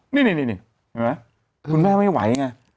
นี่คุณแม่ไม่ไหวไง